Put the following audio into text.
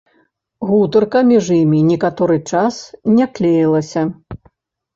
Гутарка між імі некаторы час не клеілася.